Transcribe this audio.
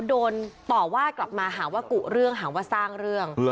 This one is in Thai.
โดนต่อว่ากลับมาหาว่ากุเรื่องหาว่าสร้างเรื่อง